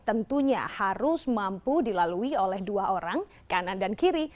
tentunya harus mampu dilalui oleh dua orang kanan dan kiri